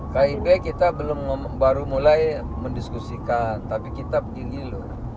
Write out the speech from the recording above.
kib kita baru mulai mendiskusikan tapi kita pilih dulu